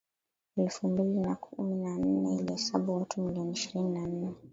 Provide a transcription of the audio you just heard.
elfu mbili kumi na nne ilihesabu watu milioni ishirini na nne